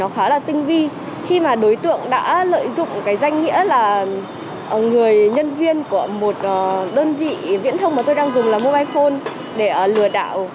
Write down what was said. khi mà đối tượng đã lợi dụng cái danh nghĩa là người nhân viên của một đơn vị viễn thông mà tôi đang dùng là mobile phone để lừa đảo